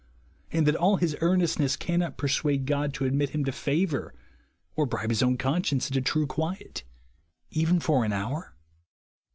and that all bis earnestness cannot persuade God to admit liim to favour, or bribe his owti conscience into true quiet even for an hour